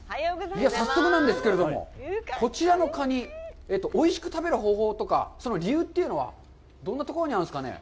早速なんですけれども、こちらのカニ、おいしく食べる方法とか、その理由というのはどんなところにあるんでしょうかね。